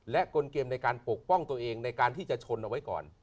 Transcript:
และกลเกมในการปกป้องตัวเองในการที่จะชนเอาไว้ก่อน